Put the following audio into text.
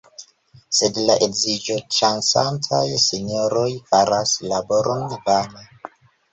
Sed la edziĝoĉasantaj sinjoroj faras laboron vane!